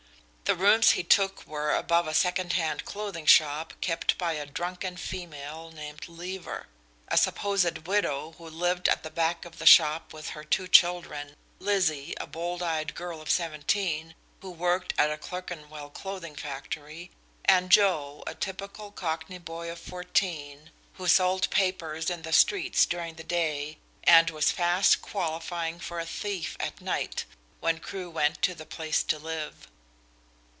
The rooms he took were above a secondhand clothing shop kept by a drunken female named Leaver; a supposed widow who lived at the back of the shop with her two children, Lizzie, a bold eyed girl of 17, who worked at a Clerkenwell clothing factory, and Joe, a typical Cockney boy of fourteen, who sold papers in the streets during the day and was fast qualifying for a thief at night when Crewe went to the place to live.